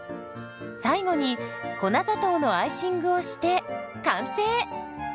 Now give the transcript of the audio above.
最後に粉砂糖のアイシングをして完成。